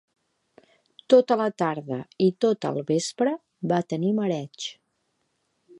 Tota la tarde i tot el vespre, va tenir mareig